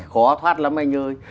khó thoát lắm anh ơi